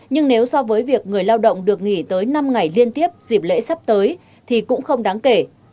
nhưng nếu so với việc người lao động được nghỉ tới năm ngày liên tiếp dịp lễ sắp tới thì cũng không đáng kể